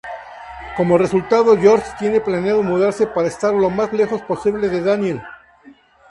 Como resultado, George tiene planeado mudarse para estar lo más lejos posible de Daniel.